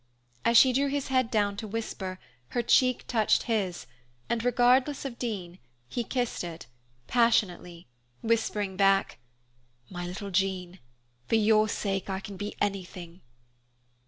As she drew his head down to whisper, her cheek touched his, and regardless of Dean, he kissed it, passionately, whispering back, "My little Jean! For your sake I can be anything."